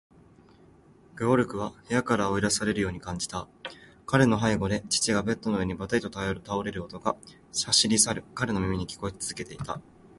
ゲオルクは部屋から追い出されるように感じた。彼の背後で父がベッドの上にばたりと倒れる音が、走り去る彼の耳に聞こえつづけていた。